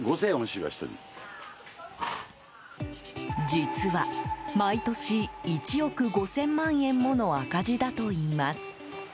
実は毎年１億５０００万円もの赤字だといいます。